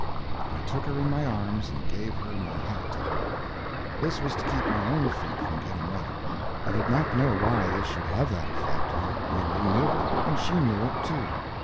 I took her in my arms and gave her my hat to hold. This was to keep my own feet from getting wet. I did not know why this should have that effect; I merely knew it; and she knew it, too.